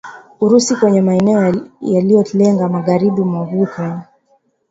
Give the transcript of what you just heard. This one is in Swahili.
Urusi kwenye maeneo yaliyolenga magharibi mwa Ukraine